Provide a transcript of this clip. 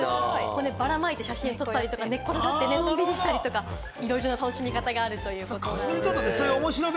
ばらまいて写真撮ったりとか、寝転がって、動画を撮ったりいろいろな楽しみ方があるということです。